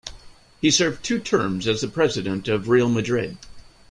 He served two terms as the President of Real Madrid.